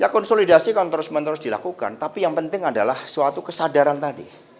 konsolidasi kan terus menerus dilakukan tapi yang penting adalah suatu kesadaran tadi